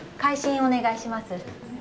お願いします